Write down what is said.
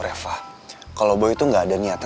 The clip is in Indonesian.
dia ngomong tuh jelas banget